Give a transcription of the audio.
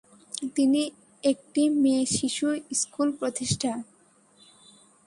তিনি একটি মেয়েশিশু স্কুল প্রতিষ্ঠা।